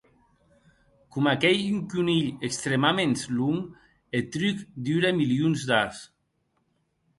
Coma qu'ei un conilh extrèmaments long, eth truc dure milions d'ans.